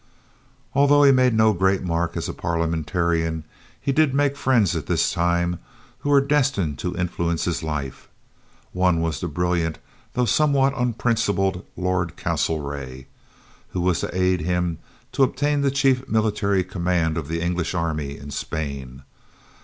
Although he made no great mark as a Parliamentarian, he did make friends at this time, who were destined to influence his life. One was the brilliant though somewhat unprincipled Lord Castlereagh, who was to aid him to obtain the chief military command of the English army in Spain.